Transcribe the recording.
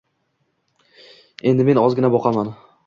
Endi men ozgina boqaman